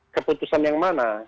keputusan yang mana